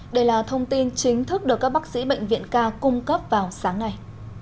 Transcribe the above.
đây là thông tin chính thức được các bác sĩ bệnh viện ca cung cấp vào sáng nay